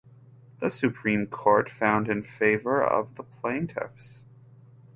The supreme court found in favor of the plaintiffs.